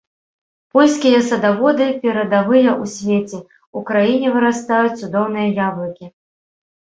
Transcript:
Польскія садаводы перадавыя ў свеце, у краіне вырастаюць цудоўныя яблыкі.